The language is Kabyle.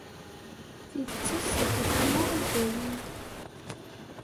Tidet-is tettdumu i dayem.